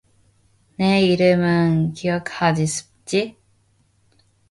내 이름은 기억하기 쉽지?